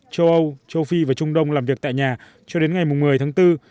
châu âu châu phi và trung đông làm việc tại nhà cho đến ngày một mươi tháng bốn